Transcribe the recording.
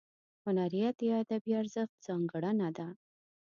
هنریت یا ادبي ارزښت ځانګړنه ده.